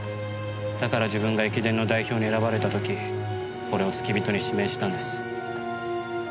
だから自分が駅伝の代表に選ばれた時俺を付き人に指名したんです。